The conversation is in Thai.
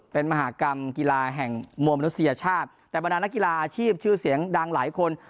เป็นมหากรรมกีฬาแห่งมวลมนุษยชาติแต่บรรดานักกีฬาอาชีพชื่อเสียงดังหลายคน